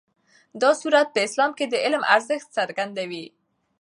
دا سورت په اسلام کې د علم ارزښت څرګندوي.